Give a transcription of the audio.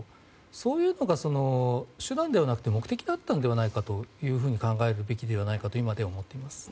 そういうのが手段ではなく目的だったんではないかと考えるべきではないかと今では思っています。